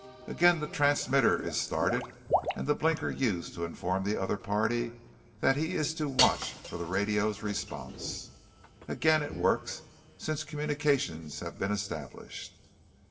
Again the transmitter is started and the blinker used to inform the other party that he is to watch for the radio's response. Again, it works, since communications have been established.